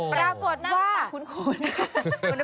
ปรากฏว่า